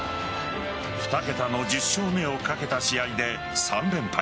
２桁の１０勝目をかけた試合で３連敗。